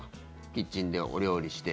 キッチンでお料理して。